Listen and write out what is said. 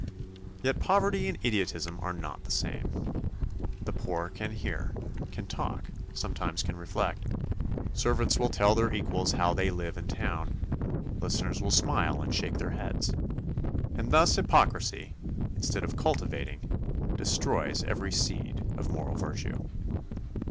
Yet poverty and idiotism are not the same. The poor can hear, can talk, sometimes can reflect; servants will tell their equals how they live in town; listeners will smile and shake their heads; and thus hypocrisy, instead of cultivating, destroys every seed of moral virtue.